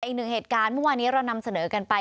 อีกหนึ่งเหตุการณ์เมื่อวานนี้เรานำเสนอกันไป